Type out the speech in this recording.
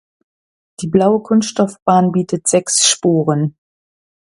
Die blaue Kunststoffbahn bietet sechs Spuren.